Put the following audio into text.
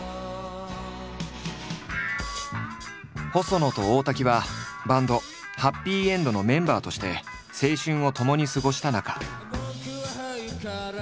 細野と大滝はバンドはっぴいえんどのメンバーとして青春をともに過ごした仲。